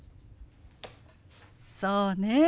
そうね。